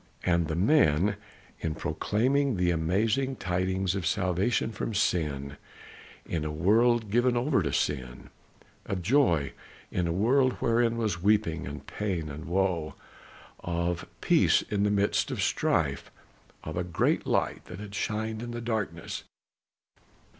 And the men, in proclaiming the amazing tidings of salvation from sin in a world given over to sin, of joy in a world wherein was weeping and pain and woe, of peace in the midst of strife, of a great light that had shined in the darkness.